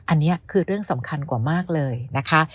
อันนี้คือเรื่องสำคัญกว่ามากเลยนะคะ